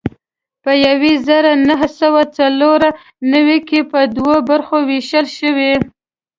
په یو زر نهه سوه څلور نوي کې په دوو برخو وېشل شو.